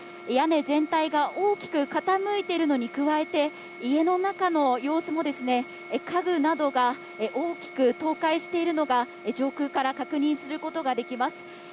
屋根全体が大きく傾いているのに加えて家の中の様子も、家具などが大きく倒壊しているのが上空から確認することができます。